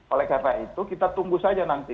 oleh karena itu kita tunggu saja nanti